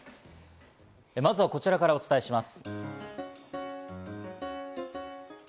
まずはこちらからお伝えします。